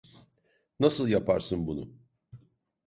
Nasıl yaparsın bunu?